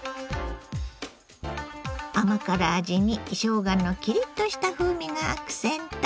甘辛味にしょうがのキリッとした風味がアクセント。